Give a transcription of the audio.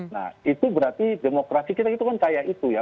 nah itu berarti demokrasi kita itu kan kaya itu ya